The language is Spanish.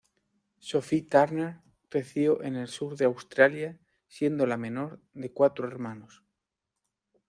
Sophie Turner creció en el sur de Australia siendo la menor de cuatro hermanos.